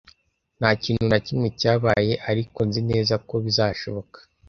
Nta kintu na kimwe cyabaye, ariko nzi neza ko bizashoboka.